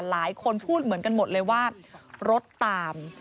หลายคนพูดเหมือนกันหมดเลยว่ารถตาม